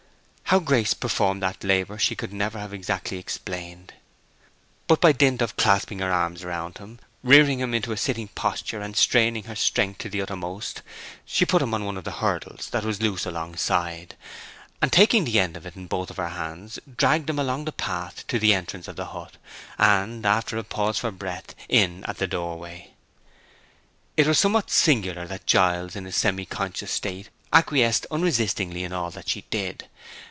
How Grace performed that labor she never could have exactly explained. But by dint of clasping her arms round him, rearing him into a sitting posture, and straining her strength to the uttermost, she put him on one of the hurdles that was loose alongside, and taking the end of it in both her hands, dragged him along the path to the entrance of the hut, and, after a pause for breath, in at the door way. It was somewhat singular that Giles in his semi conscious state acquiesced unresistingly in all that she did.